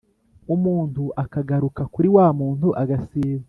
umuntu akagaruka kuri wa muntu agasiba